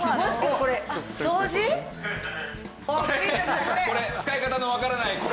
これ使い方のわからないこれ。